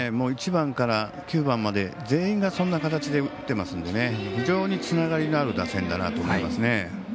１番から９番まで全員がそんな形で打ってますので非常につながりのある打線だなと思いますね。